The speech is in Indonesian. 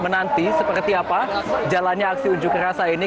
tapi saya tidak tahu seperti apa jalannya aksi uju kerasa ini